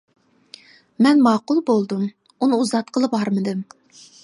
مەن ماقۇل بولدۇم، ئۇنى ئۇزاتقىلى بارمىدىم.